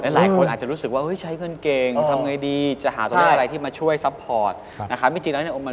หลายคนอาจจะรู้สึกว่าใช้เงินเก่งทำไงดีจะหาตัวเลขอะไรที่มาช่วยซัพพอร์ตนะครับ